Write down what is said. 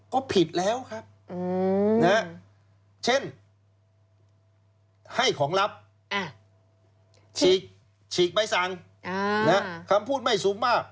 ก็ผิดแล้วครับเช่นให้ของลับฉีกใบสั่งคำพูดไม่สูงมาก